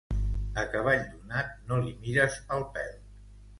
A cavall donat no li mires el pèl.